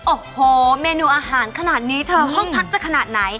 โอ้โหเมนูอาหารขนาดนี้เธอห้องพักจะขนาดไหน